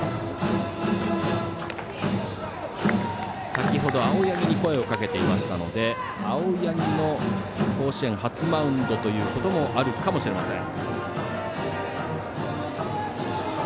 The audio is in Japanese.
先ほど、青柳に声をかけていましたので青柳の甲子園初マウンドということもあるかもしれません。